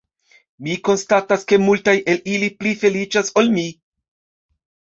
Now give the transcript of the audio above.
Mi konstatas ke multaj el ili pli feliĉas ol mi.